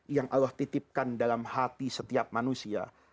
yang allah titipkan dalam hati setiap manusia